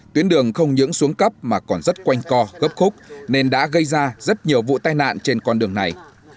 tuyến đường không những xuống cấp mà còn rất quanh co gấp khúc nên đã gây ra rất nhiều vụ tai nạn trên con đường này